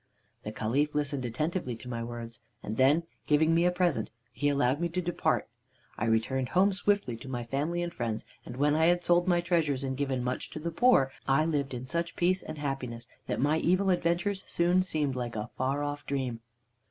"The Caliph listened attentively to my words, and then, giving me a present, he allowed me to depart. I returned home swiftly to my family and friends, and when I had sold my treasures and given much to the poor, I lived in such peace and happiness that my evil adventures soon seemed like a far off dream."